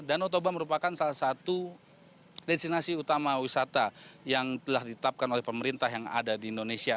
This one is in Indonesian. danau toba merupakan salah satu destinasi utama wisata yang telah ditetapkan oleh pemerintah yang ada di indonesia